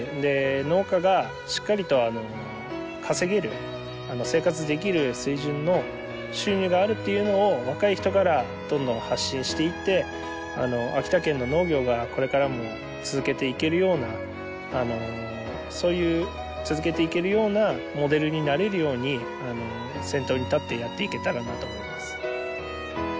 農家がしっかりと稼げる生活できる水準の収入があるっていうのを若い人からどんどん発信していって秋田県の農業がこれからも続けていけるようなそういう続けていけるようなモデルになれるように先頭に立ってやっていけたらなと思います。